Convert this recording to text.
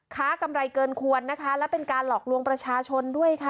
กำไรเกินควรนะคะและเป็นการหลอกลวงประชาชนด้วยค่ะ